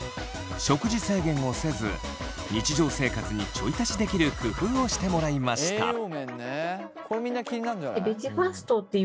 食事制限をせず日常生活にちょい足しできる工夫をしてもらいました。